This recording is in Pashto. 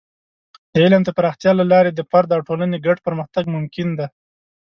د علم د پراختیا له لارې د فرد او ټولنې ګډ پرمختګ ممکن دی.